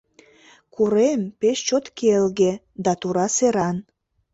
— Корем пеш чот келге да тура серан.